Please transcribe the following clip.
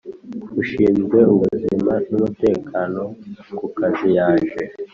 Ushinzwe ubuzima n Umutekano ku kazi yaje